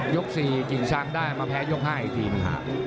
ยกสี่เป็นมาแพ้ยกห้าอีกทีครับ